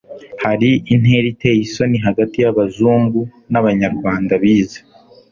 hari intera iteye isoni hagati y'abazungu n'abanyarwanda bize